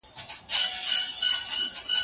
سياسي ډلو په هېواد کي ژورې اغېزې پرېيښې دي.